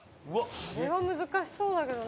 これは難しそうだけどな。